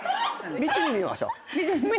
見てみましょう。